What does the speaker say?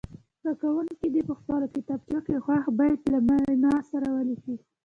زده کوونکي دې په خپلو کتابچو کې خوښ بیت له معنا سره ولیکي.